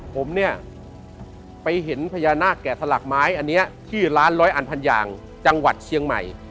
ผมเนี่ยไปเห็นพญานาคแก่สลักไม้อันนี้ชื่อร้านร้อยอันพันอย่างจังหวัดเชียงใหม่